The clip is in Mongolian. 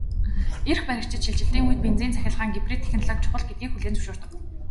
Эрх баригчид шилжилтийн үед бензин-цахилгаан гибрид технологи чухал гэдгийг хүлээн зөвшөөрдөг.